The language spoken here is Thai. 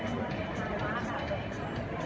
มันเป็นสิ่งที่จะให้ทุกคนรู้สึกว่า